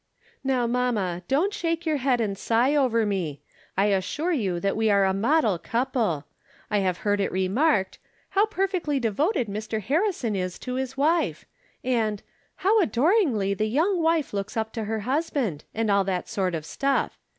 Now, mamma, don't shake your head and sigh over me. I assure you that we are a model couple. I have heard it remarked, "How per fectly devoted Mr. Harrison is to his wife," and, " How adoringly the young wife looks up to her husband," and all that sort of stuff.